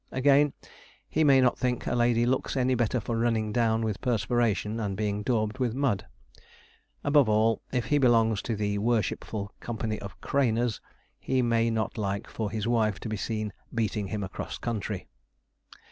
Again, he may not think a lady looks any better for running down with perspiration, and being daubed with mud. Above all, if he belongs to the worshipful company of Craners, he may not like for his wife to be seen beating him across country.